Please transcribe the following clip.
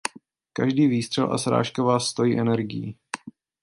Každý výstřel a srážka vás stojí energii.